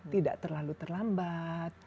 tidak terlalu terlambat